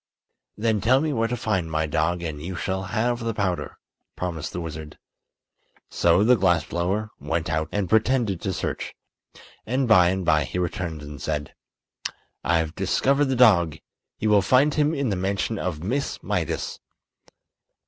"Then tell me where to find my dog and you shall have the powder," promised the wizard. So the glass blower went out and pretended to search, and by and by he returned and said: "I've discovered the dog. You will find him in the mansion of Miss Mydas."